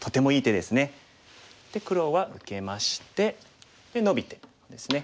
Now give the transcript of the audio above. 黒は受けましてでノビてですね。